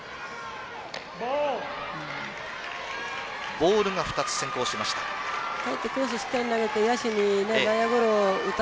ボールが２つ先行しました。